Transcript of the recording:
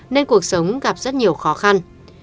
nên cuộc sống gặp rất nhiều khó khăn